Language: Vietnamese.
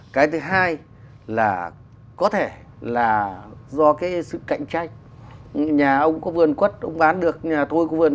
cái thứ hai là có thể là do cái sự cạnh tranh nhà ông có vườn quất ông bán được nhà thôi có vườn